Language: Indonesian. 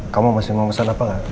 kamu masih mau pesan apa gak